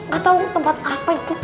gak tahu tempat apa itu